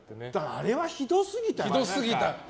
あれはひどすぎた。